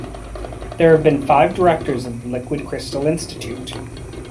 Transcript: There have been five directors of the Liquid Crystal Institute.